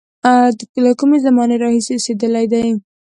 له کومې زمانې راهیسې اوسېدلی دی.